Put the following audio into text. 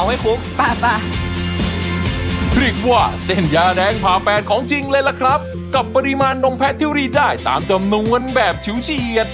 เอาไว้คุ้มป่าป่าเรียกว่าเส้นยาแดงผ่าแปดของจริงเลยล่ะครับกับปริมาณนมแพทย์ทิวรีได้ตามจำนวนแบบชิวเฉียด